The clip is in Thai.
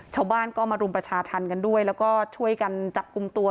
ชาวบ้านก็มารุมประชาธรรมกันด้วยแล้วก็ช่วยกันจับกลุ่มตัว